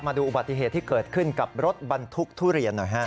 มาดูอุบัติเหตุที่เกิดขึ้นกับรถบรรทุกทุเรียนหน่อยฮะ